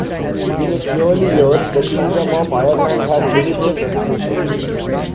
In its early years, the Kingdom of Ireland had limited recognition.